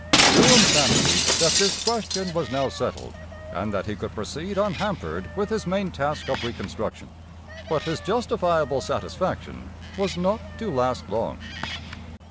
Durham fancied that this question was now settled, and that he could proceed unhampered with his main task of reconstruction. But his justifiable satisfaction was not to last long.